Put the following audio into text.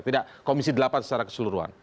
tidak komisi delapan secara keseluruhan